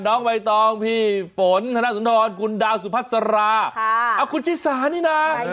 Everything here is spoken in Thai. น้องใบตองพี่ฝนธนาคต์สำนวนคุณดาวสุภาษฎราคุณชิสานี่น้า